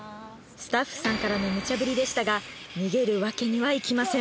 スタッフさんからのむちゃぶりでしたが逃げるわけにはいきません